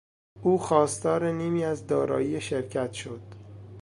او خواستار نیمی از دارایی شرکت شد.